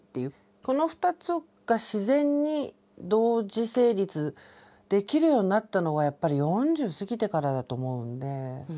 この２つが自然に同時成立できるようになったのはやっぱり４０過ぎてからだと思うんで。